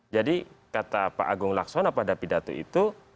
jadi kata pak agung laksana pada pidato itu